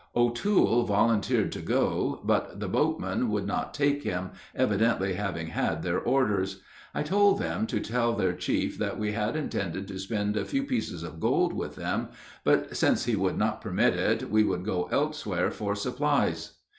O'Toole volunteered to go, but the boatmen would not take him, evidently having had their orders. I told them to tell their chief that we had intended to spend a few pieces of gold with them, but since he would not permit it, we would go elsewhere for supplies.